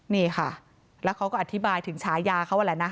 นี่ค่ะแล้วเขาก็อธิบายถึงฉายาเขาแหละนะ